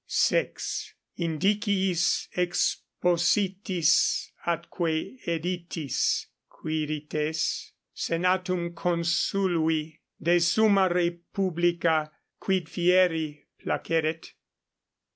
_ =6.= Indiciis expositis atque editis, Quirites, senatum consului, de summa re publica quid fieri placeret.